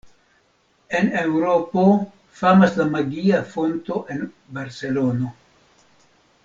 En Eŭropo famas la Magia Fonto en Barcelono.